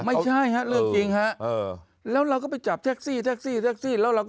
ไม่ใช่ฮะเรื่องจริงฮะแล้วเราก็ไปจับแท็กซี่แท็กซี่แล้วเราก็